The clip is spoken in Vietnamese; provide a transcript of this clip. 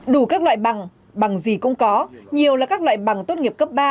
đủ các loại bằng gì cũng có nhiều là các loại bằng tốt nghiệp cấp ba